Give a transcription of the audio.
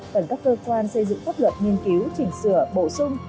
cần các cơ quan xây dựng pháp luật nghiên cứu chỉnh sửa bổ sung